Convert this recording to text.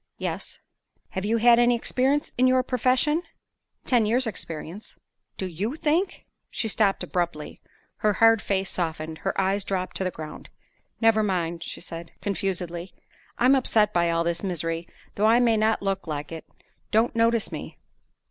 "Yes." "Have you had any experience in your profession?" "Ten years' experience." "Do you think " She stopped abruptly; her hard face softened; her eyes dropped to the ground. "Never mind," she said, confusedly. "I'm upset by all this misery, though I may not look like it. Don't notice me."